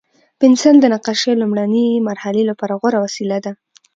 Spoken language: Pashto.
پنسل د نقاشۍ لومړني مرحلې لپاره غوره وسیله ده.